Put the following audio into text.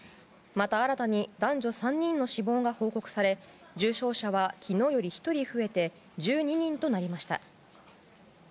また、新たに男女３人の死亡が報告され重症者は昨日より１人増えて１２人となりました。